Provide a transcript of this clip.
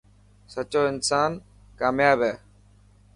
سچو انسان ڪامياب هي.